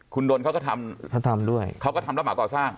คุณดนเขาก็ทำรับเหมาก่อสร้าง